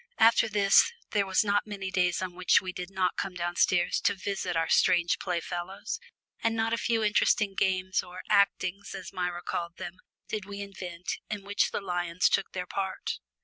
After this there were not many days on which we did not come downstairs to visit our strange play fellows, and not a few interesting games or "actings," as Myra called them, did we invent, in which the lions took their part.